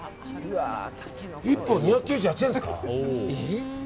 １本２９８円ですか。